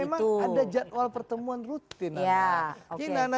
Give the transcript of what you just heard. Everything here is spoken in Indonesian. nah memang ada jadwal pertemuan rutin nana